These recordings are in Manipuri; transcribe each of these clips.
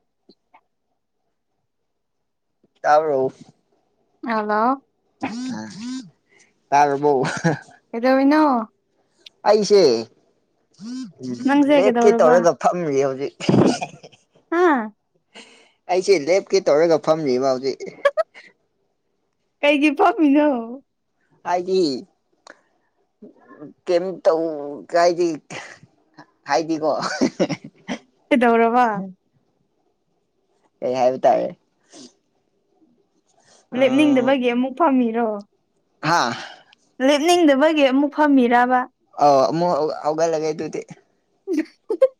[unintelligible] ꯇꯥꯕ꯭ꯔꯣ ꯍꯂꯣ [unintelligible] ꯀꯦꯗꯧꯔꯤꯅꯣ ꯑꯩꯁꯦ [unintelligible] ꯅꯪꯁꯦ ꯂꯦꯞꯀꯦ ꯀꯩꯗꯧꯔꯕ ꯇꯧꯔꯒ ꯐꯝꯃꯤ ꯍꯧꯖꯤꯛ ꯑꯥ ꯑꯩꯁꯦ ꯂꯦꯞꯀꯦ ꯇꯧꯔꯒ ꯐꯝꯃꯤꯕ ꯍꯧꯖꯤꯛ ꯀꯩꯒꯤ ꯐꯝꯃꯤꯅꯣ ꯑꯥꯏꯗꯤ ꯀꯩꯝ ꯇꯧ ꯀꯥꯏꯗꯤ ꯍꯥꯏꯗꯤꯀꯣ ꯀꯩꯗꯧꯔꯕ ꯀꯩ ꯍꯥꯏꯕ ꯇꯥꯏꯌꯦ ꯂꯦꯞꯅꯤꯡꯗꯕꯒꯤ ꯑꯃꯨꯛ ꯐꯝꯃꯤꯔꯣ ꯍꯥꯥ ꯂꯦꯞꯅꯤꯡꯗꯕꯒꯤ ꯑꯃꯨꯛ ꯐꯝꯃꯤꯔꯕ ꯑꯥꯎ ꯑꯃꯨꯛ ꯍꯧꯒꯠꯂꯒꯦ ꯑꯗꯨꯗꯤ [unintelligible]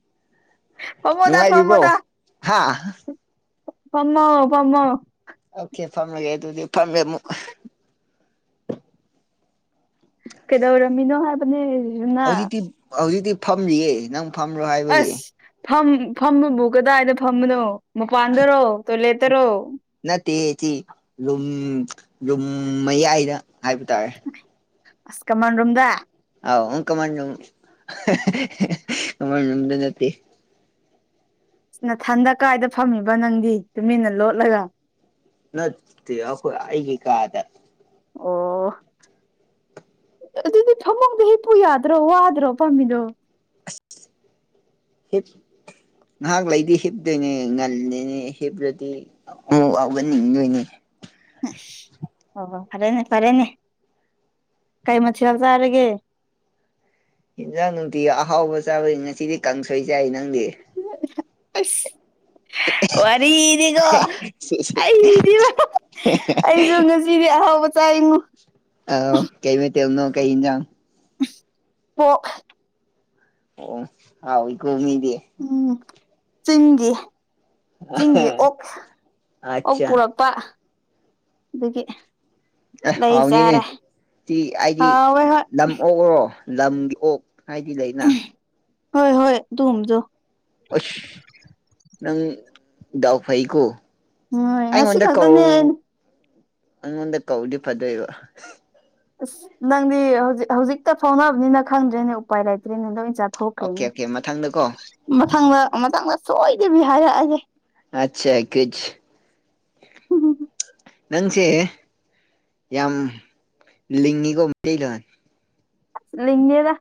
ꯐꯝꯃꯣꯗ ꯅꯨꯡꯉꯥꯏꯔꯤꯕ꯭ꯔꯣ ꯐꯝꯃꯣꯗ ꯍꯥ ꯐꯝꯃꯣ ꯐꯝꯃꯣ ꯑꯣꯀꯦ ꯐꯝꯔꯒꯦ ꯑꯗꯨꯗꯤ ꯐꯝꯃꯦ ꯑꯃꯨꯛ ꯀꯩꯗꯧꯔꯝꯃꯤꯅꯣ ꯍꯥꯏ [unintelligible] ꯍꯧꯖꯤꯛꯇꯤ ꯍꯧꯖꯤꯛꯇꯤ ꯐꯝꯔꯤꯌꯦ ꯅꯪ ꯐꯝꯔꯣ ꯍꯥꯏꯕꯒꯤ ꯑꯁ ꯐꯝ ꯐꯝꯕꯕꯨ ꯀꯗꯥꯏꯗ ꯐꯝꯕꯅꯣ ꯃꯄꯥꯟꯗꯔꯣ ꯇꯣꯏꯂꯦꯠ ꯇꯔꯣ ꯅꯠꯇꯦꯌꯦ ꯊꯤ ꯔꯨꯝ ꯔꯨꯝ ꯃꯌꯥꯏꯗ ꯍꯥꯏꯕ ꯇꯥꯔꯦ ꯑꯁ ꯀꯃꯥꯟ ꯔꯨꯝꯗ ꯑꯥꯎ ꯑꯪ ꯀꯃꯟ ꯔꯨꯝ ꯀꯃꯟ ꯔꯨꯝꯗ ꯅꯠꯇꯦ ꯅꯊꯟꯗ ꯀꯥꯏꯗ ꯐꯝꯃꯤꯕ ꯅꯪꯗꯤ ꯇꯨꯃꯤꯟꯅ ꯂꯣꯠꯂꯒ ꯅꯠꯇꯦ ꯑꯈꯣꯏ ꯑꯩꯒꯤ ꯀꯥꯗ ꯑꯣ ꯑꯗꯨꯗꯤ ꯐꯃꯨꯡꯗ ꯍꯤꯞꯄꯨ ꯌꯥꯗ꯭ꯔꯣ ꯋꯥꯗ꯭ꯔꯣ ꯐꯝꯃꯤꯗꯣ [inaudible] ꯍꯤꯞ ꯉꯥꯏꯍꯥꯛ ꯂꯩꯗꯤ ꯍꯤꯞꯇꯣꯏꯅꯦ ꯉꯜꯂꯤꯅꯦ ꯍꯤꯞꯔꯗꯤ [unintelligible] ꯍꯧꯒꯠꯅꯤꯗꫭꯏꯅꯤ ꯍ ꯍꯣ ꯐꯔꯦꯅꯦ ꯐꯔꯦꯅꯦ ꯀꯩ ꯃꯊꯦꯜ ꯆꯥꯔꯒꯦ ꯏꯟꯖꯥꯡ ꯅꯨꯡꯇꯤꯒꯤ ꯑꯍꯥꯎꯕ ꯆꯥꯕꯅꯤꯅ ꯉꯁꯤꯗꯤ ꯀꯥꯡꯁꫭꯏ ꯅꯪꯗꯤ ꯑꯁ ꯋꯥꯔꯤꯗꯤꯀꫭ ꯑꯩꯗꯤ ꯑꯩꯁꯨ ꯉꯁꯤꯗꯤ ꯑꯍꯥꯎꯕ ꯆꯥꯏꯉꫭ ꯑꫭ ꯀꯩ ꯃꯇꯣꯜꯅꯣ ꯀꯩ ꯏꯟꯖꯥꯥꯡ ꯄꯣꯛ ꯑꯣ ꯍꯥꯎꯋꯤꯀꯣ ꯃꯤꯗꯤ ꯎꯝ ꯆꯤꯡꯒꯤ ꯆꯤꯡꯒꯤ ꯑꯣꯛ ꯑꯣꯛ ꯑꯠꯆꯥ ꯄꯨꯔꯛ ꯄꯥ ꯑꯗꯨꯒꯤ ꯑꯦ ꯂꯩ ꯍꯥꯎꯅꯤꯅꯦ ꯆꯥꯔꯦ ꯇꯤ ꯑꯩꯗꯤ ꯍꯥꯎꯋꯦ ꯍꯣꯏ ꯂꯝ ꯑꯣꯛꯂꯣ ꯂꯝꯒꯤ ꯑꯣꯛ ꯍꯥꯏꯗꯤ ꯂꯩꯗꯅ ꯍꯣꯏ ꯍꯣꯏ ꯑꯗꯨꯒꯨꯝꯕꯗꯣ ꯑꯣꯏꯁ ꯅꯪ ꯗꯥꯎ ꯐꯩꯀꯣ ꯍꯣꯏ ꯉꯁꯤ ꯑꯩꯉꯣꯟꯗ ꯀꯧ ꯈꯛꯇꯅꯦ ꯑꯩꯅ ꯑꯩꯉꯣꯟꯗ ꯀꯧꯔꯗꯤ ꯐꯗꯣꯏꯕ ꯑꯁ ꯅꯪꯗꯤ ꯍꯧꯖꯤꯛ ꯍꯧꯖꯤꯛꯇ ꯐꯥꯎꯅꯕꯅꯤꯅ ꯈꯪꯗ꯭ꯔꯦꯅꯦ ꯎꯄꯥꯏ ꯂꯩꯇ꯭ꯔꯦꯅꯦ ꯂꯣꯏ ꯆꯥ ꯑꯣꯀꯦ ꯊꯣꯛꯈ꯭ꯔꯦꯅꯦ ꯑꯣꯀꯦ ꯃꯊꯪꯗꯀꯣ ꯃꯊꯪꯗ ꯃꯊꯪꯗ ꯁꯣꯏꯗꯕꯤ ꯍꯥꯏꯔꯛꯑꯒꯦ ꯑꯠꯁꯥ ꯒꯨꯠꯁ ꯅꯪꯁꯦ ꯌꯥꯝ ꯂꯤꯡꯉꯤꯒꫭ ꯃꯇꯩꯂꫭꯟ ꯂꯤꯡꯉꯦꯗ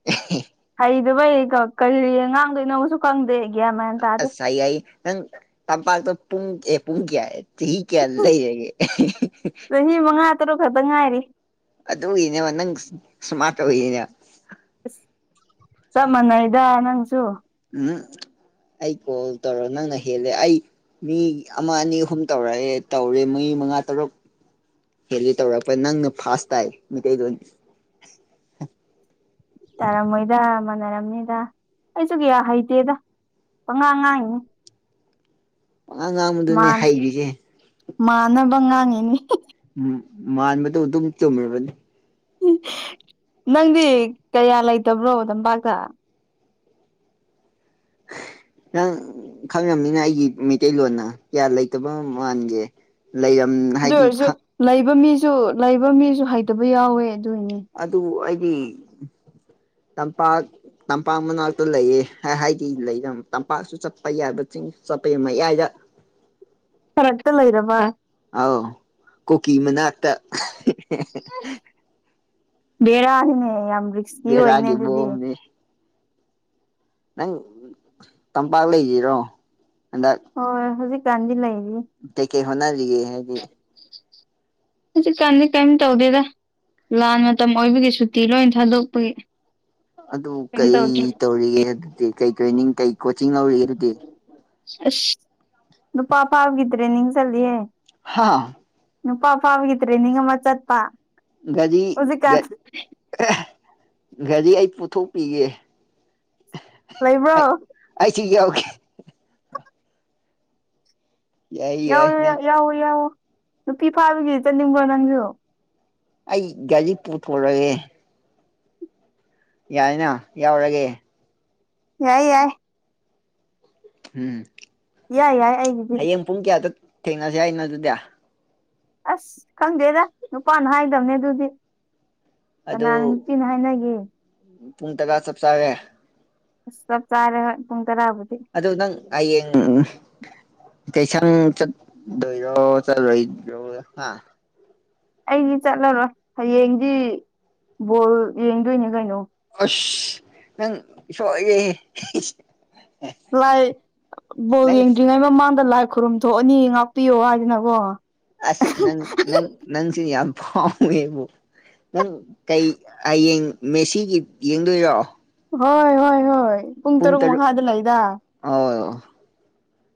[unintelligible] ꯍꯩꯗꯕꯩꯗꯕꯩ ꯀꯔꯤ ꯉꯥꯡꯗꯣꯏꯅꯣꯁꯨ ꯀꯪꯗꯦ ꯒꯥꯌꯟ ꯃꯦꯟ ꯑꯁ ꯁꯥꯏ ꯅꯪ ꯇꯝꯄꯥꯛꯗ ꯄꯨꯨꯡ ꯄꯨꯨꯡ ꯀꯌꯥꯌꯦ ꯆꯍꯤ ꯀꯌꯥ ꯂꯩꯔꯒꯦ ꯆꯍꯤ ꯃꯉꯥ ꯔ ꯈꯔꯕꯉꯥꯏꯔꯤ ꯑꯗꯨꯗ ꯑꯣꯏꯏꯅꯦꯕ ꯅꯪ ꯁꯨꯃꯇ ꯍꯅꯦ ꯑꯁ ꯆꯞ ꯃꯥꯟꯅꯩꯗ ꯅꯪꯁꯨ ꯎꯝ ꯑꯩ ꯀꯣꯜ ꯇꯧꯔꯣ ꯅꯪꯅ ꯍꯦꯜꯂꯦ ꯑꯩ ꯃꯤ ꯑꯃ ꯑꯅꯤ ꯑꯍꯨꯝ ꯇꯧꯔꯛꯑꯦ ꯇꯧꯔꯦ ꯃ ꯃꯉꯥ ꯇꯔꯨꯛ ꯍꯦꯂꯤ ꯇꯧꯔꯛꯄ ꯅꯪꯅ ꯐꯥꯁ ꯇꯥꯏ ꯃꯤꯇꯩꯩꯂꫭꯟꯅꯤ ꯇꯥꯔꯝꯃꯣꯏꯗ ꯃꯥꯟꯅꯔꯝꯅꯤꯗ ꯑꯩꯁꯨ ꯀꯌꯥ ꯍꯩꯇꯦꯗ ꯄꯉꯥꯡ ꯉꯥꯡꯏꯅꯤ ꯄꯪꯉꯥꯡ ꯉꯥꯡꯕꯗꯨꯅꯦ ꯃꯥꯟ ꯍꯩꯔꯤꯁꯦ ꯃꯥꯟꯅꯕ ꯉꯥꯡꯉꯤꯅꯤ ꯎꯝ ꯃꯥꯟꯕꯗ ꯑꯗꯨꯝ ꯆꯨꯝꯕꯅꯤ ꯅꯪꯗꯤ ꯀꯌꯥ ꯂꯩꯇꯕ꯭ꯔꯣ ꯗꯝꯄꯥꯛꯇ ꯅꯪ ꯈꯪꯉꯕꯅꯤꯅ ꯑꯩꯒꯤ ꯃꯩꯇꯩꯂꯣꯟꯅ ꯀꯌꯥ ꯂꯩꯇꯕ ꯃꯥꯟꯒꯦ ꯂꯩꯔꯝ ꯑꯗꯨ ꯍꯥꯏꯗꯤ ꯑꯣꯏꯔꯁꯨ ꯂꯩꯕ ꯃꯤꯁꯨ ꯂꯩꯕ ꯃꯤꯁꯨ ꯍꯩꯇꯕ ꯌꯥꯎꯋꯦ ꯑꯗꯨꯏꯅꯦ ꯑꯗꯨ ꯑꯩꯗꯤ ꯇꯝꯄꯥꯛ ꯇꯝꯄꯥꯛ ꯃꯅꯥꯛꯇꯨ ꯂꯩꯌꯦ ꯍꯥꯏꯗꯤ ꯂꯩ ꯇꯝꯄꯥꯛꯁꯨ ꯆꯠꯄ ꯌꯥꯕꯁꯤꯡ ꯆꯠꯄꯒꯤ ꯃꯌꯥꯏꯗ ꯐꯔꯛꯇ ꯂꯩꯔꯕ ꯑꯥꯎ ꯀꯣꯀꯤ ꯃꯅꯥꯛꯇ ꯕꯦꯔꯥꯅꯤꯅꯦ ꯌꯥꯝ ꯔꯤꯛ꯭ꯁꯀꯤ ꯑꯣꯏꯅꯦ ꯕꯦꯔꯥꯒꯤ ꯑꯗꯨꯗꯤ ꯃꯑꯣꯡꯅꯤ ꯅꯪ ꯇꯝꯄꯥꯛ ꯂꯩꯈꯤꯔꯣ ꯍꯟꯗꯛ ꯍꯣꯏ ꯍꯧꯖꯤꯛ ꯀꯥꯟꯗꯤ ꯂꯩꯔꯤ ꯀꯩ ꯀꯩ ꯍꯣꯠꯅꯔꯤꯒꯦ ꯎ [unintelligible] ꯍꯧꯖꯤꯛꯀꯥꯟꯗꯤ ꯀꯩꯝ ꯇꯧꯗꯦꯗ ꯂꯥꯟ ꯃꯇꯝ ꯑꯣꯏꯕꯒꯤ ꯁꯨꯇꯤ ꯂꯣꯏ ꯊꯥꯗꯣꯛꯄꯒꯤ ꯑꯗꯨ ꯀꯩꯝ ꯀꯩ ꯇꯧꯗ꯭ꯔꯦ ꯇꯧꯔꯤꯒꯦ ꯑꯗꯨꯗꯤ ꯀꯩ ꯇ꯭ꯔꯦꯅꯤꯡ ꯀꯩ ꯀꯣꯆꯤꯡ ꯂꯧꯔꯤꯒꯦ ꯑꯗꯨꯗꯤ ꯑꯁ ꯅꯨꯄꯥ ꯐꯕꯒꯤ ꯇ꯭ꯔꯦꯅꯤꯡ ꯆꯜꯂꯤꯌꯦ ꯍꯥꯥ ꯅꯨꯄꯥ ꯐꯥꯕꯒꯤ ꯇ꯭ꯔꯦꯅꯤꯡ ꯑꯃ ꯆꯠꯄ ꯒꯔꯤ ꯒ ꯍꯧꯖꯤꯛꯀꯥꯟ ꯑꯦ ꯒꯥꯔꯤ ꯑꯩ ꯄꯨꯊꯣꯛꯄꯤꯒꯦ ꯑꯦ ꯂꯩꯕ꯭ꯔꯣ ꯑꯩꯁꯨ ꯌꯧꯒꯦ ꯌꯥꯏ ꯌꯥꯎ ꯌꯥꯏ ꯅꯪ ꯌꯥꯎꯋ ꯌꯥꯎꯋ ꯅꯨꯄꯤ ꯐꯥꯕꯒꯤ ꯆꯠꯅꯤꯡꯕ꯭ꯔꯣ ꯅꯪꯁꯨ ꯑꯩ ꯒꯥꯔꯤ ꯄꯨꯊꯣꯛꯔꯒꯦ ꯌꯥꯏꯅ ꯌꯥꯎꯔꯒꯦ ꯌꯥꯏ ꯌꯥꯏ ꯎꯝ ꯌꯥ ꯌꯥꯏ ꯑꯩꯒꯤꯗꯤ ꯍꯌꯦꯡ ꯄꯨꯡ ꯀꯌꯥꯗ ꯊꯦꯡꯅꯁꯦ ꯍꯥꯏ ꯑꯩꯅ ꯑꯗꯨꯗꯤ ꯑꯁ ꯈꯪꯗꯦꯗ ꯅꯨꯄꯥꯅ ꯍꯥꯏꯗꯕꯅꯦ ꯑꯗꯨꯗꯤ ꯀꯅꯥꯅ ꯑꯗꯨ ꯅꯨꯄꯤꯅ ꯍꯥꯏꯅꯒꯦ ꯄꯨꯡ ꯇꯔ ꯆꯞ ꯆꯥꯔꯦ ꯆꯞ ꯆꯥꯔꯦ ꯍꯣꯏ ꯄꯨꯡ ꯇꯔꯥꯕꯨꯗꯤ ꯑꯗꯨ ꯅꯪ ꯍꯌꯦꯡ ꯀꯩꯁꯪ ꯆꯠꯗꯣꯏꯔꯣ ꯆꯠꯂꯣꯏꯗ꯭ꯔꯣ ꯑꯩꯗꯤ ꯆꯠꯂꯔꯣꯏ ꯍꯌꯦꯡꯗꯤ ꯕꯣꯜ ꯌꯦꯡꯗꯣꯏꯅꯦ ꯀꯩꯅꯣ ꯑꯁ ꯅꯪ ꯏꯁꯣꯏꯔꯦꯍꯦ ꯂꯥꯏ ꯕꯣꯜ ꯅꯪ ꯌꯦꯡꯗ꯭ꯔꯤꯉꯩ ꯃꯃꯥꯡꯗ ꯂꯥꯏ ꯈꯨꯔꯨꯝ ꯊꯣꯛꯑꯅꯤ ꯉꯥꯛꯄꯤꯌꯣ ꯍꯥꯏꯗꯅꯀꯣ ꯑꯁ ꯅꯪ ꯅꯪ ꯅꯪꯁꯤ ꯌꯥꯝ ꯐꯥꯎꯋꯦꯕꯨ ꯅꯪ ꯀꯩ ꯍꯌꯦꯡ ꯃꯦꯁꯤꯒꯤ ꯌꯦꯡꯗꯣꯏꯔꯣ ꯍꯣꯏ ꯍꯣꯏ ꯍꯣꯏ ꯄꯨꯡ ꯇꯔꯨꯛ ꯃꯈꯥꯏꯗ ꯂꯩꯗꯥꯏ ꯑꯧ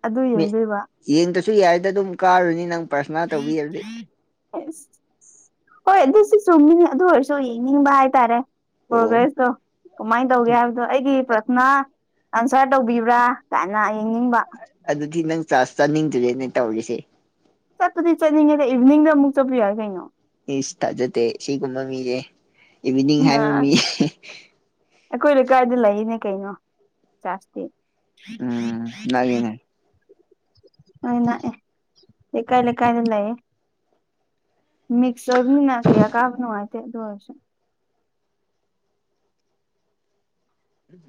ꯑꯗꯨ ꯌꯦꯡꯗꯣꯏꯕ ꯌꯦꯡꯗꯁꯨ ꯌꯥꯏꯗ ꯑꯗꯨꯝ ꯀꯥꯔꯅꯤ ꯅꯪ ꯄ꯭ꯔꯥꯊꯅꯥ ꯇꯧꯕꯤꯔꯕꯗꯤ ꯍꯣꯏ ꯑꯗꯨꯁꯨ ꯆꯨꯝꯃꯤꯅꯦ ꯑꯗꯨ ꯑꯣꯏꯔꯁꯨ ꯌꯦꯡꯅꯤꯡꯕ ꯍꯥꯏꯇꯥꯔꯦ ꯑꯣ ꯄ꯭ꯔꯣꯒ꯭ꯔꯦꯁꯇꯣ ꯀꯃꯥꯏꯅ ꯇꯧꯒꯦ ꯍꯥꯏꯕꯗꯣ ꯑꯩꯒꯤ ꯄ꯭ꯔꯊꯅꯥ ꯑꯟꯁꯔ ꯇꯧꯕꯤꯕ꯭ꯔꯥ ꯀꯥꯏꯅ ꯌꯦꯡꯅꯤꯡꯕ ꯑꯗꯨꯗꯤ ꯅꯪ ꯆꯥꯁ ꯆꯥꯅꯤꯡꯗꯔꯦꯅꯦ ꯇꯧꯔꯤꯁꯦ ꯆꯠꯄꯗꯤ ꯆꯠꯅꯤꯡꯉꯦꯗ ꯏꯚꯅꯤꯡꯗ ꯑꯃꯨꯛ ꯆꯠꯄ ꯌꯥꯏ ꯀꯩꯅꯣ ꯏꯁ ꯊꯥꯖꯗꯦ ꯁꯤꯒꯨꯝꯕ ꯃꯤꯁꯦ ꯏꯚꯅꯤꯡ ꯑ ꯍꯥꯏꯕ ꯃꯤꯁꯦ ꯑꯩꯈꯣꯏ ꯂꯩꯀꯥꯏꯗ ꯂꯩꯅꯦ ꯀꯩꯅꯣ ꯆꯥꯔꯖꯇꯤ ꯎꯝ ꯅꯪꯒꯤꯅꯦ ꯑꯩꯅꯛꯑꯦ ꯂꯩꯀꯥꯏ ꯂꯩꯀꯥꯏꯗ ꯂꯩꯌꯦ ꯃꯤꯛꯁ ꯑꯣꯏꯕꯅꯤꯅ ꯀꯌꯥ ꯀꯥꯕ ꯅꯨꯡꯉꯥꯏꯇꯦ ꯑꯗꯨꯑꯣꯏꯔꯁꯨ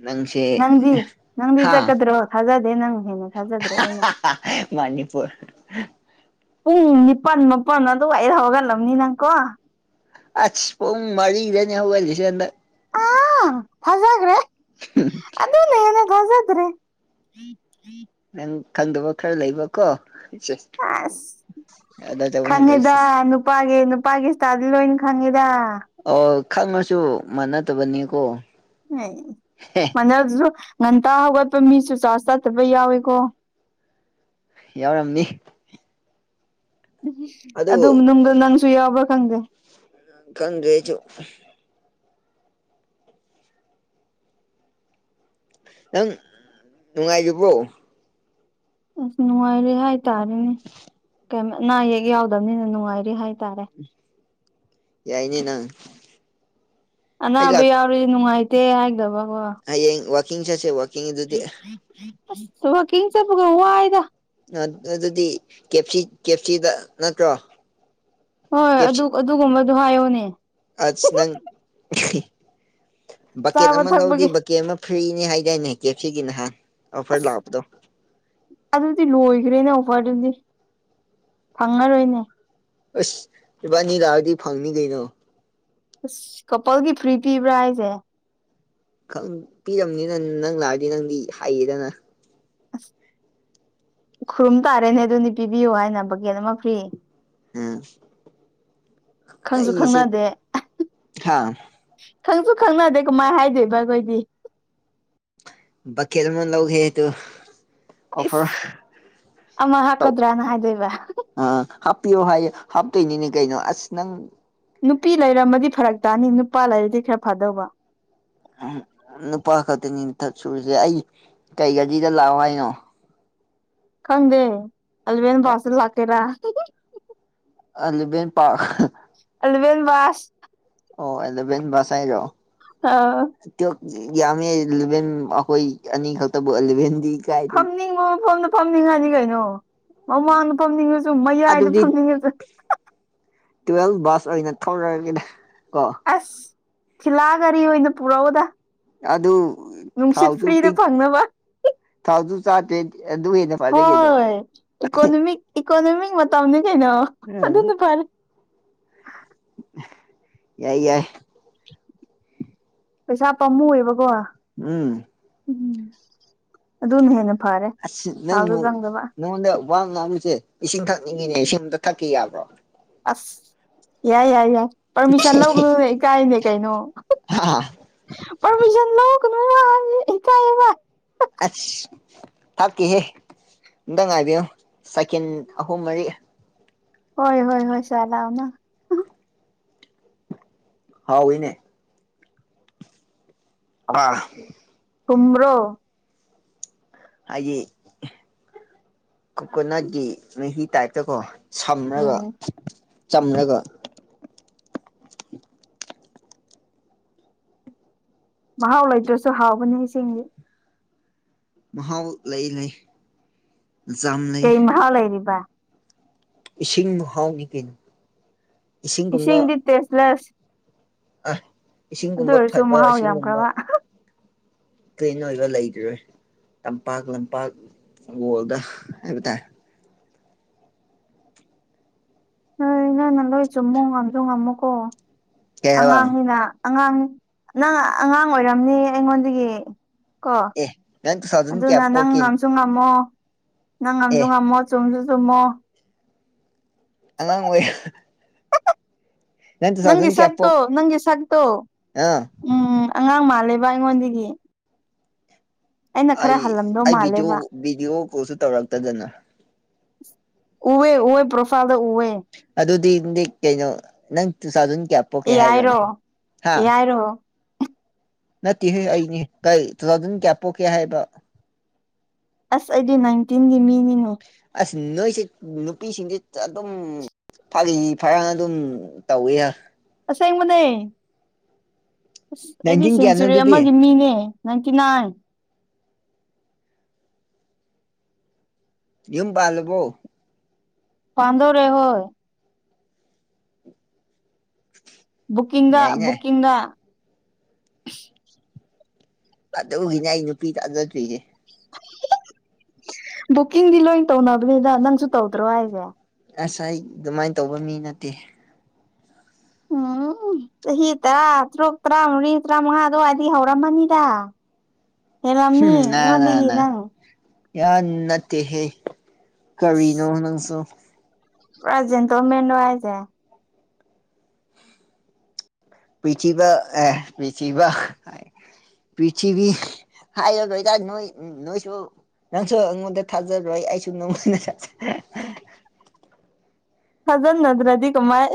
ꯅꯪꯁꯦ ꯅꯪꯗꯤ ꯅꯪꯗꯤ ꯍꯥꯥ ꯆꯠꯀꯗ꯭ꯔꯣ ꯊꯥꯖꯗꯦ ꯅꯪ ꯍꯦꯟꯅ ꯊꯥꯖꯗ꯭ꯔꯦ ꯑꯍꯥ ꯑꯩꯅ ꯍꯥ ꯍꯥ ꯃꯅꯤꯄꯨꯔ ꯄꯨꯡ ꯅꯤꯄꯥꯟ ꯃꯥꯄꯜ ꯑꯗꯨꯋꯥꯏꯗ ꯍꯧꯒꯠꯂꯝꯅꯤ ꯅꯪꯀꯣ ꯑꯁ ꯄꯨꯡ ꯃꯔꯤꯗꯅꯦ ꯍꯧꯒꯠꯂꯤꯁꯦ ꯍꯟꯗꯛ ꯍꯥ ꯊꯥꯖꯒ꯭ꯔꯦ ꯑꯗꯨꯅ ꯍꯦꯟꯅ ꯊꯥꯖꯗ꯭ꯔꯦ ꯅꯪ ꯈꯪꯗꯕ ꯈꯔ ꯂꯩꯕꯀꯣ ꯑꯁ ꯑꯗ ꯇꯧꯕꯅꯦ ꯈꯪꯉꯦꯗ ꯅꯨꯄꯥꯒꯤ ꯅꯨꯄ ꯅꯨꯄꯥꯒꯤ ꯁ꯭ꯇꯥꯏꯜꯗꯤ ꯂꯣꯏꯅ ꯈꯪꯉꯦꯗ ꯑꯣ ꯈꯪꯉꯁꯨ ꯃꯥꯟꯅꯗꯕꯅꯤꯀꯣ ꯑꯦ ꯃꯗꯗꯨꯁꯨ ꯉꯟꯇꯥ ꯍꯧꯒꯠꯄ ꯃꯤꯁꯨ ꯆꯥꯔꯖ ꯆꯥꯠꯇꯕ ꯌꯥꯎꯋꯦꯀꯣ ꯌꯥꯎꯔꯝꯅꯤ ꯎ ꯑꯗꯨ ꯑꯗꯨꯝ ꯅꯨꯡꯗ ꯅꯪꯁꯨ ꯌꯥꯎꯕ꯭ꯔꯥ ꯈꯪꯗꯦ ꯈꯪꯗꯗꯥꯔꯦ ꯑꯩꯁꯨ ꯅꯪ ꯅꯨꯡꯉꯥꯏꯒꯤꯕ꯭ꯔꯣ ꯑꯁ ꯅꯨꯡꯉꯥꯏꯔꯦ ꯍꯥꯏꯇꯥꯔꯦꯅꯦ ꯑꯅꯥ ꯑꯌꯦꯛ ꯌꯥꯎꯗꯕꯅꯤꯅ ꯅꯨꯡꯉꯥꯏꯔꯤ ꯍꯥꯏꯇꯥꯔꯦ ꯌꯥꯏꯅꯤ ꯅꯪ ꯑꯩ ꯑꯅꯥꯕ ꯌꯥꯎꯔꯤ ꯅꯨꯡꯉꯥꯏꯇꯦ ꯍꯥꯏꯗꯕꯀꯣ ꯍꯌꯦꯡ ꯋꯥꯀꯤꯡ ꯆꯠꯁꯦ ꯋꯥꯀꯤꯡ ꯑꯗꯨꯗꯤ ꯑꯁ ꯋꯥꯀꯤꯡ ꯆꯠꯄꯒ ꯋꯥꯏꯗ ꯑ ꯑꯗꯨꯗꯤ ꯀꯦꯞꯁꯤ ꯀꯦꯞꯁꯤꯗ ꯅꯠꯇ꯭ꯔꯣ ꯍꯣꯏ ꯑꯗꯨ ꯀꯦꯞꯁꯤ ꯑꯗꯨꯒꯨꯝꯕꯗꯨ ꯍꯥꯏꯌꯣꯅꯦ ꯑꯁ ꯅꯪ ꯏꯍꯤ ꯕꯛꯀꯦꯠ ꯆꯥꯕ ꯑꯃ ꯂꯧꯗꯤ ꯊꯛꯄꯒꯤ ꯕꯛ ꯀꯦ ꯑꯃ ꯐ꯭ꯔꯤꯅꯦ ꯍꯥꯏꯗꯥꯏꯅꯦ ꯀꯦꯐ ꯁꯤꯒꯤ ꯅꯍꯥꯟ ꯑꯣꯐꯔ ꯑꯁ ꯂꯥꯛꯄꯗꯣ ꯑꯗꯨꯗꯤ ꯂꯣꯏꯒꯔꯦꯅ ꯑꯣꯐꯔꯗꯨꯗꯤ ꯐꯪꯉꯔꯣꯏꯅꯦ ꯑꯁ ꯏꯕꯥꯅꯤ ꯂꯥꯛꯑꯗꯤ ꯐꯪꯅꯤ ꯀꯩꯅꯣ ꯑꯁ ꯀꯄꯜꯒꯤ ꯐ꯭ꯔꯤ ꯄꯤꯕ꯭ꯔꯥ ꯍꯥꯏꯁꯦ ꯈꯪ ꯄꯤꯔꯝꯅꯤꯅ ꯅꯪ ꯂꯥꯛꯔꯗꯤ ꯅꯪꯗꯤ ꯍꯥꯏꯌꯦꯗꯅ ꯑꯁ ꯈꯨꯔꯨꯝ ꯇꯥꯔꯦꯅꯦ ꯑꯗꯨꯅꯤ ꯄꯤꯕꯤꯌꯨ ꯍꯥꯏꯅ ꯕꯒꯦꯠ ꯑꯃ ꯐ꯭ꯔꯤ ꯎꯝ ꯈꯪꯁꯨ ꯑꯩꯁꯦ ꯈꯪꯅꯗꯦ ꯍꯥ ꯈꯪꯁꯨ ꯈꯪꯅꯗꯦ ꯀꯃꯥꯏꯅ ꯍꯥꯏꯗꯣꯏꯕ ꯑꯩꯈꯣꯏꯗꯤ ꯕꯀꯥꯠ ꯑꯃ ꯂꯩꯎꯒꯥꯗꯣ ꯑꯩꯁ ꯑꯃ ꯇꯧ ꯍꯥꯞꯀꯗ꯭ꯔꯅ ꯍꯥꯏꯗꯣꯏꯕ ꯑ ꯍꯥꯞꯄꯤꯌꯣ ꯍꯥꯏꯌꯣ ꯍꯥꯞꯇꯣꯏꯅꯤꯅꯦ ꯀꯩꯅꯣ ꯑꯁ ꯅꯪ ꯅꯨꯄꯤ ꯂꯩꯔꯝꯃꯗꯤ ꯐꯔꯛ ꯇꯥꯅꯤ ꯅꯨꯄꯥ ꯂꯩꯔꯗꯤ ꯈꯔ ꯐꯥꯗꯧꯕ ꯎꯝ ꯅꯨꯄꯥ ꯈꯛꯇꯅꯤꯊꯛ ꯁꯨꯔꯁꯦ ꯑꯩ ꯀꯩ ꯒꯥꯔꯤꯗ ꯂꯥꯛꯑꯣ ꯍꯥꯏꯅꯣ ꯈꯪꯗꯦ ꯑꯦꯂꯕꯦꯟ ꯄꯥꯁꯇ ꯂꯥꯛꯀꯦꯔ [unintelligible] ꯑꯂꯕꯦꯟ ꯄꯥꯁ ꯑꯣ ꯑꯦꯂꯥꯕꯦꯟ ꯕꯥꯁ ꯍꯥꯏꯔꯣ ꯑꯧ [unintelligible] ꯌꯥꯝꯃꯦ ꯏꯂꯚꯦꯟ ꯑꯩꯈꯣꯏ ꯑꯅꯤꯈꯛꯇꯕꯨ ꯏꯂꯚꯦꯟꯗꯤ ꯐꯝꯅꯤꯡꯕ ꯃꯐꯝꯗ ꯐꯝꯅꯤꯡꯉꯅꯤ ꯀꯩꯅꯣ ꯃꯃꯥꯡꯗ ꯐꯝꯅꯤꯡꯉꯁꯨ ꯃꯌꯥꯏꯗ ꯑꯗꯨꯗꯤ ꯐꯝꯅꯤꯡꯉꯁꯨ ꯇꯨꯋꯦꯜ ꯕꯥꯁ ꯑꯣꯏꯅ ꯊꯧꯔꯛꯒꯦꯗ ꯀꯣ ꯑꯁ ꯊꯤꯜꯂꯥꯒꯥꯔꯤ ꯑꯣꯏꯅ ꯄꯨꯔꯛꯎꯗ ꯑꯗꯨ ꯅꯨꯡꯁꯤꯠ ꯊꯥꯎꯁꯨ ꯐ꯭ꯔꯤꯗ ꯇꯤꯡ ꯐꯪꯅꯕ ꯊꯥꯎꯁꯨ ꯆꯥꯗꯦ ꯑꯗꯨ ꯍꯦꯟꯅ ꯐꯔꯦ ꯀꯩꯅꯣ ꯍꯣꯏ ꯏꯀꯣꯅꯣꯃꯤꯛ ꯏꯀꯣꯅꯣꯃꯤꯛ ꯃꯇꯝꯅꯦ ꯀꯩꯅꯣ ꯑꯗꯨꯅ ꯎꯝ ꯐꯔꯦ ꯌꯥꯏ ꯌꯥꯏ ꯄꯩꯁꯥ ꯄꯥꯝꯃꯨꯑꯕꯀꯣ ꯎꯝ ꯎꯝ ꯑꯗꯨꯅ ꯍꯦꯟꯅ ꯐꯥꯔꯦ ꯑꯁ ꯅꯪ ꯅꯉꯣꯟꯗ ꯋꯥ ꯉꯥꯡꯕꯁꯦ ꯏꯁꯤꯡ ꯊꯛꯅꯤꯡꯉꯤꯅꯦ ꯏꯁꯤꯡ ꯑꯝꯇ ꯊꯛꯀꯦ ꯌꯥꯕ꯭ꯔꯣ ꯑꯁ ꯌꯥꯏ ꯌꯥꯏ ꯌꯥꯏ ꯄꯥꯔꯃꯤꯁꯟ ꯂꯧꯒꯅꯨꯅꯦ ꯏꯀꯥꯏꯅꯦ ꯀꯩꯅꯣ [unintelligible] ꯑꯁ ꯊꯥꯛꯀꯤꯍꯦ ꯑꯃꯨꯛꯇꯪ ꯉꯥꯏꯕꯤꯌꯨ ꯁꯤꯀꯦꯟ ꯑꯍꯨꯝ ꯃꯔꯤ ꯍꯣꯏ ꯍꯣꯏ ꯍꯣꯏ [unintelligible] ꯍꯥꯎꯏꯅꯦ ꯑꯥ ꯀꯨꯝ꯭ꯔꯣ ꯍꯥꯏꯗꯤ ꯀꯣꯀꯣꯅꯠꯀꯤ ꯃꯍꯤ ꯇꯥꯏꯞꯇ ꯀꯣ ꯁꯝꯃꯒ ꯎꯝ ꯆꯝꯂꯒ ꯃꯍꯥꯎ ꯂꯩꯇ꯭ꯔꯁꯨ ꯍꯥꯎꯕꯅꯤ ꯏꯁꯤꯡꯗꯤ ꯃꯍꯥꯎ ꯂꯩ ꯂꯩ ꯖꯥꯝ ꯂꯩ ꯀꯩ ꯃꯍꯥꯎ ꯂꯩꯔꯤꯕ ꯏꯁꯤꯡ ꯃꯍꯥꯎꯅꯤ ꯀꯩꯅꯣ ꯏꯁꯤꯡꯒꯨꯝꯕ ꯏꯁꯤꯡꯗꯤ ꯇꯦꯁ꯭ꯂꯦꯁ ꯑ ꯏꯁꯤꯡꯒꯨꯝꯕ ꯑꯣꯏꯔꯁꯨ ꯐꯕ ꯃꯍꯥꯎ ꯏꯁꯤꯡꯒꯨꯝꯕ ꯌꯥꯝꯈ꯭ꯔꯕ ꯀ꯭ꯂꯤꯟ ꯑꯣꯏꯕ ꯂꯩꯈꯤꯔꯣꯏ ꯇꯝꯄꯥꯛ ꯂꯝꯄꯥꯛ ꯋꯥꯔꯜꯗ ꯍꯥꯏꯕ ꯇꯥꯔꯦ ꯅꯣꯏ ꯅꯪꯅ ꯂꯣꯏ ꯆꯨꯝꯃꯣ ꯉꯝꯁꯨ ꯉꯝꯃꯨꯀꯣ ꯀꯩ ꯍꯥꯏꯕ ꯑꯉꯥꯡꯅꯤꯅ ꯑꯉꯥꯡ ꯅꯪ ꯑꯉꯥꯡ ꯑꯣꯏꯔꯝꯅꯤ ꯑꯩꯉꯣꯟꯗꯒꯤ ꯀꯣ ꯑꯦ ꯅꯪ ꯇꯨ ꯊꯥꯎꯖꯟ ꯀꯌꯥ ꯑꯗꯨꯅ ꯅꯪ ꯄꯣꯛꯀꯦ ꯉꯝꯁꯨ ꯉꯝ ꯉꯝꯃꯣ ꯅꯪ ꯉꯝꯁꯨ ꯑꯦ ꯉꯝꯃꯣ ꯆꯨꯝꯁꯨ ꯆꯨꯝꯃꯣ ꯑꯉꯥꯡ ꯑꯣꯏ ꯅꯪ ꯇꯨ ꯅꯪꯒꯤ ꯊꯥꯎꯖꯟ ꯀꯌꯥ ꯁꯛꯇꯣ ꯄꯣꯛ ꯅꯪꯒꯤ ꯁꯛꯇꯣ [unintelligible] ꯎꯝ ꯑꯉꯥꯡ ꯃꯥꯜꯂꯦꯕ ꯑꯩꯉꯣꯟꯗꯒꯤ ꯑꯩꯅ ꯑꯩ ꯈꯔ ꯍꯜꯂꯝꯗꯧ ꯑꯩ ꯚꯗꯤꯑꯣ ꯃꯥꯜꯂꯦꯕ ꯚꯤꯗꯤꯑꯣ ꯀꯣꯜꯁꯨ ꯇꯧꯔꯛꯇꯗꯅ ꯎꯋꯦ ꯎꯋꯦ ꯄ꯭ꯔꯣꯐꯥꯜꯗ ꯎꯋꯦ ꯑꯗꯨꯗꯤꯗꯤ ꯀꯩꯅꯣ [unintelligible] ꯀꯌꯥ ꯄꯣꯛꯀꯦ ꯍꯥꯏꯔꯣꯅꯦ ꯍꯥ ꯍꯥꯏꯔꯣ ꯅꯠꯇꯦꯍ ꯑꯩꯅꯤ ꯀ ꯇꯨꯊꯥꯎꯖꯟ ꯀꯌꯥ ꯄꯣꯛꯀꯦ ꯍꯥꯏꯕ ꯑꯁ ꯑꯩꯗꯤ ꯅꯥꯏꯟꯇꯤꯟꯒꯤ ꯃꯤꯅꯤꯅꯦ ꯑꯁ ꯅꯣꯏꯁꯦ ꯅꯨꯄꯤꯁꯤꯡꯁꯦ ꯑꯗꯨꯝ ꯐꯥꯒꯤ ꯐꯔꯥꯡ ꯑꯗꯨꯝ ꯇꯧꯋꯦ ꯑꯁꯦꯡꯕꯅꯦ ꯑꯁ ꯑꯩꯗꯤ ꯅꯥꯏꯟꯇꯤꯟ ꯀꯌꯥꯅꯣ ꯁꯦꯟꯆꯨꯔꯤ ꯑꯗꯨꯗꯤ ꯑꯃꯒꯤ ꯃꯤꯅꯦ ꯅꯥꯟꯏꯟꯇꯤ ꯅꯥꯏꯟ ꯌꯨꯝ ꯄꯥꯜꯂꯕꫭ ꯄꯥꯟꯗꫭꯔꯦ ꯍꯣꯏ [inaudible] ꯕꯨꯀꯤꯡꯗ ꯌꯥꯏꯅꯦ ꯕꯨꯀꯤꯡꯗ ꯑꯗꯨꯒꯤꯅꯦ ꯑꯩ ꯅꯨꯄꯤ ꯇꯥꯖꯗ꯭ꯔꯤꯁꯦ ꯕꯨꯛꯀꯤꯡꯗꯤ ꯂꯣꯏ ꯇꯧꯅꯕꯅꯤꯗ ꯅꯪꯁꯨ ꯇꯧꯗ꯭ꯔꯣ ꯍꯥꯏꯁꯦ ꯑꯁ ꯑꯩ ꯑꯗꯨꯃꯥꯏꯅ ꯇꯧꯕ ꯃꯤ ꯅꯠꯇꯦ ꯎꯝ ꯆꯍꯤ ꯇꯔꯥ ꯇꯔꯨꯛ ꯇꯔꯥꯃꯔꯤ ꯇꯔꯥꯃꯉꯥ ꯑꯗꯨꯋꯥꯏꯗꯤ ꯍꯧꯔꯝꯃꯅꯤꯗ ꯍꯥꯏꯔꯝꯃꯤ ꯏꯉꯣꯟꯗꯒ ꯅꯪ ꯌꯥꯝ ꯅꯠꯇꯦꯍꯦ ꯀꯔꯤꯅꯣ ꯅꯪꯁꯨ ꯄꯨꯔꯥ ꯖꯤꯟꯇꯟꯃꯦꯟ ꯅꫭ ꯍꯥꯏꯖꯦ ꯄꯤꯊꯕ ꯑꯦ ꯄꯤꯊꯕ ꯄ꯭ꯔꯤꯊꯤꯕꯤ ꯍꯥꯏꯔꯒꯣꯏꯗ ꯅꯣꯏ ꯅꯣꯏꯁꯨ ꯅꯪꯁꯨ ꯑꯩꯉꯣꯟꯗ ꯊꯥꯖꯥꯗꯔꯦ ꯑꯩꯁꯨ ꯅꯣꯡꯃꯅ ꯊꯥꯖꯥꯗꯔꯦ ꯊꯥꯖꯟꯅꯗ꯭ꯔꯗꯤ ꯀꯃꯥꯏ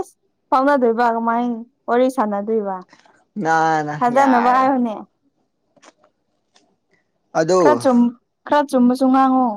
ꯐꯥꯎꯅꯗꯣꯏꯕ ꯀꯃꯥꯏ ꯋꯥꯔꯤ ꯁꯥꯟꯅꯗꯣꯏꯕ ꯅꯥ ꯅꯥ ꯊꯖꯅꯕ ꯌꯥꯔꯦ ꯍꯥꯏꯌꯨꯅꯦ ꯑꯗꯣ ꯈꯔ ꯈꯔ ꯆꯨꯝꯕꯁꯨ ꯉꯥꯡꯉꯣ